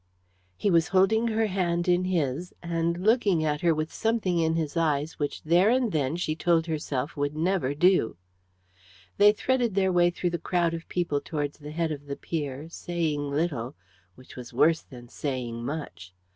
He was holding her hand in his, and looking at her with something in his eyes which there and then she told herself would never do. They threaded their way through the crowd of people towards the head of the pier, saying little, which was worse than saying much.